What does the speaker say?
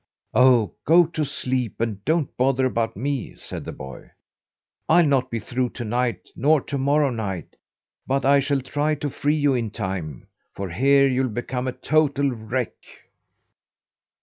"Oh, go to sleep, and don't bother about me!" said the boy. "I'll not be through to night nor to morrow night, but I shall try to free you in time for here you'll become a total wreck."